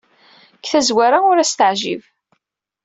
Deg tazwara, ur as-teɛjib.